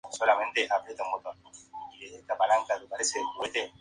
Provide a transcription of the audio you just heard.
La actriz afirma haber adquirido el inmueble en una subasta de la cementera Anáhuac.